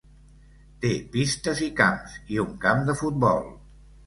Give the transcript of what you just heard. Té pistes i camps i un camp de futbol.